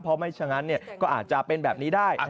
เพราะไม่ฉะนั้นก็อาจจะเป็นแบบนี้ได้